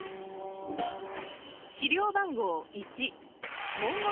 資料番号１。